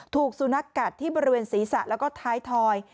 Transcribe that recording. ถูกสุนักกัดที่บริเวณศรีษะและท้ายถอย